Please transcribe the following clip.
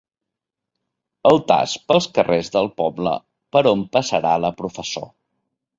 Altars pels carrers del poble, per on passarà la professó.